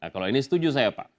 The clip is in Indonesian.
kalau ini setuju saya pak